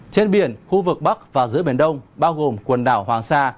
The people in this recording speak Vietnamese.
trên biển khu vực bắc và giữa biển đông bao gồm quần đảo hoàng sa